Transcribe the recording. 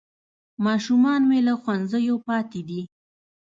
ماشومان مې له ښوونځیو پاتې دي